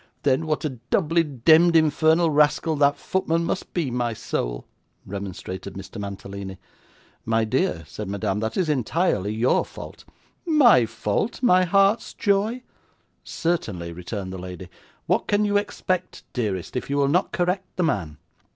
'Then what a doubly demd infernal rascal that footman must be, my soul,' remonstrated Mr. Mantalini. 'My dear,' said Madame, 'that is entirely your fault.' 'My fault, my heart's joy?' 'Certainly,' returned the lady; 'what can you expect, dearest, if you will not correct the man?